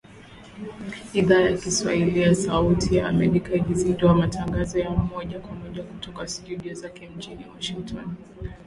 Idhaa ya Kiswahili ya Sauti ya Amerika ilizindua matangazo ya moja kwa moja kutoka studio zake mjini Washington